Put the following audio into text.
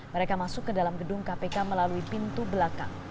mereka masuk ke dalam gedung kpk melalui pintu belakang